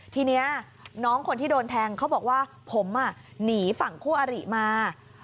ทีนี้น้องคนที่โดนแทงเขาบอกว่าผมหนีฝั่งคู่อริมา